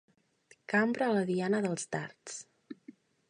Cambra a la diana dels dards.